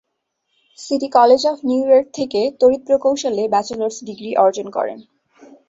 City College of New York থেকে তড়িৎ প্রকৌশলে ব্যাচেলর্স ডিগ্রি অর্জন করেন।